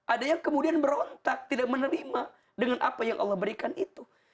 ada yang kemudian berontak tidak menerima dengan apa yang allah berikan itu